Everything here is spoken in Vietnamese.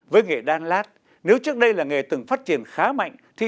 với nghề đan lát nếu trước đây là nghề từng phát triển khá mạnh